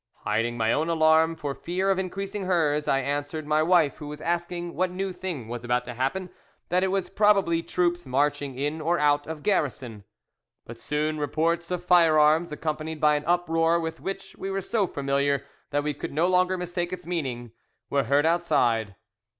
Hiding my own alarm for fear of increasing hers, I answered my wife, who was asking what new thing was about to happen, that it was probably troops marching in or out of garrison. But soon reports of firearms, accompanied by an uproar with which we were so familiar that we could no longer mistake its meaning, were heard outside.